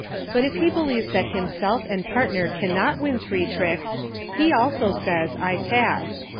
But if he believes that himself and partner cannot win three tricks, he also says, "I pass."